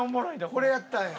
これやったんや。